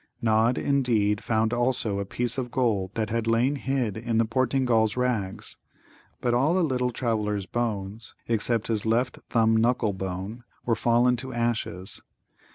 Nod, indeed, found also a piece of gold that had lain hid in the Portingal's rags. But all the little Traveller's bones except his left thumb knuckle bone were fallen to ashes.